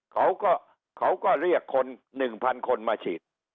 เขาก็เขาก็เรียกคนหนึ่งพันคนมาฉีด